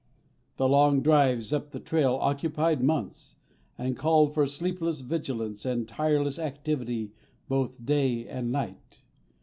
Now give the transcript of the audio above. The long drives up the trail occupied months, and called for sleepless vigilance and tireless activity both day and night.